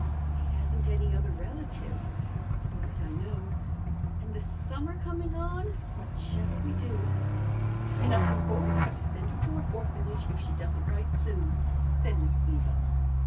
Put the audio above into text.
"He hasn't any other relatives as far as I know. And the summer coming on, what shall we do?" "Nothing for it but to send him to an orphanage if she doesn't write soon," said Miss Eva.